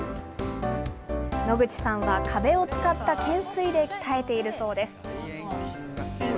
野口さんは壁を使った懸垂で鍛えているそうです。